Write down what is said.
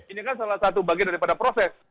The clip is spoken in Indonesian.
ini kan salah satu bagian daripada proses